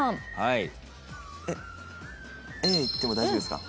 Ａいっても大丈夫ですか？